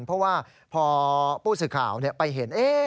เพราะว่าพอผู้สื่อข่าวไปเห็น